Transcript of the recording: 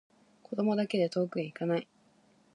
子供だけで遠くへいかない